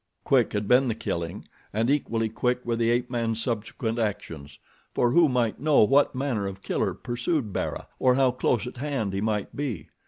Quick had been the killing, and equally quick were the ape man's subsequent actions, for who might know what manner of killer pursued Bara, or how close at hand he might be?